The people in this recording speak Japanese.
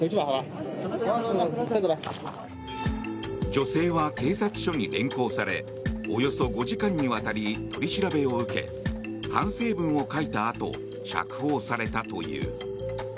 女性は警察署に連行されおよそ５時間にわたり取り調べを受け反省文を書いたあと釈放されたという。